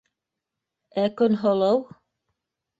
Ә Көнһылыу...